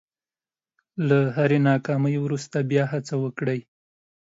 له هرې ناکامۍ وروسته بیا هڅه وکړئ.